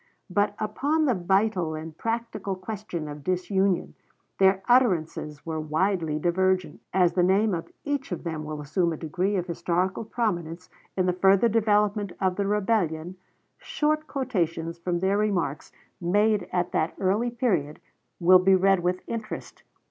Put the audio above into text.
But upon the vital and practical question of disunion their utterances were widely divergent. As the name of each of them will assume a degree of historical prominence in the further development of the rebellion, short quotations from their remarks made at that early period will be read with interest.